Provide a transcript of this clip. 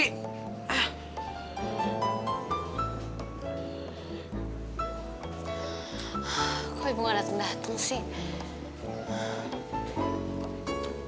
kok ibu nggak dateng dateng sih